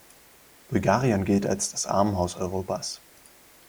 Bulgarien gilt als das Armenhaus Europas.